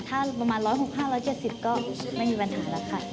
ถ้าประมาณ๑๖๕๗๐ก็ไม่มีปัญหาแล้วค่ะ